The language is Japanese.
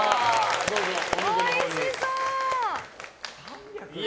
おいしそう！